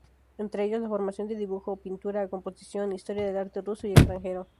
Entre ellos la formación de dibujo, pintura, composición, historia del arte ruso y extranjero.